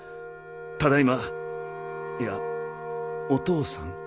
「ただいま」いや「お父さん」？